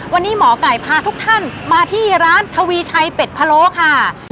วันนี้หมอไก่พาทุกท่านมาที่ร้านทวีชัยเป็ดพะโลค่ะ